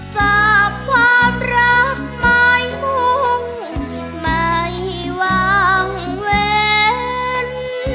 ฝากความรักหมายมุ่งไม่วางเว้น